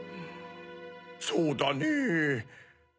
そうだねぇ。